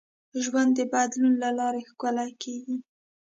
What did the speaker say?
ژوند د بدلون له لارې ښکلی کېږي.